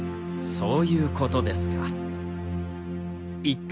そういうことですか